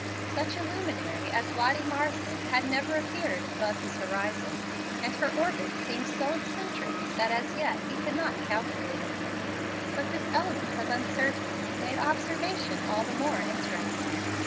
Just such a luminary as Lottie Marsden had never appeared above his horizon, and her orbit seemed so eccentric that as yet he could not calculate it; but this element of uncertainty made observation all the more interesting.